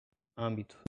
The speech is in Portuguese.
âmbito